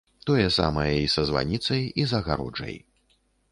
Тое самае і са званіцай, і з агароджай.